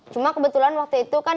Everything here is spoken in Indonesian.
cuma kebetulan waktu itu kan